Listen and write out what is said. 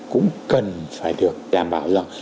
cũng cần phải được đảm bảo rằng